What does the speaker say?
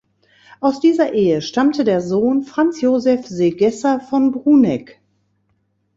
Aus dieser Ehe stammte der Sohn Franz Josef Segesser von Brunegg.